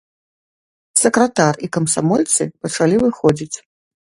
Сакратар і камсамольцы пачалі выходзіць.